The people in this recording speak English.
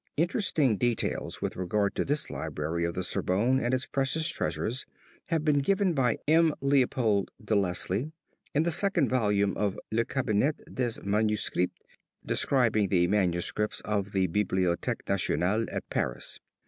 Interesting details with regard to this library of the Sorbonne and its precious treasures have been given by M. Leopold Delisle, in the second volume of Le Cabinet des Manuserits, describing the MSS. of the Bibliothèque Nationale at Paris.